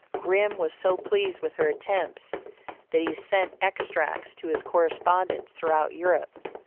Grimm was so pleased with her attempts, that he sent extracts to his correspondents throughout Europe.